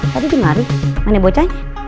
tadi dimari mana bocanya